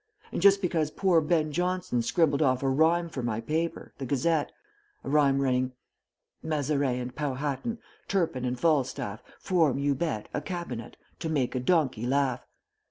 And just because poor Ben Jonson scribbled off a rhyme for my paper, The Gazette a rhyme running: Mazarin And Powhatan, Turpin and Falstaff, Form, you bet, A cabinet To make a donkey laugh.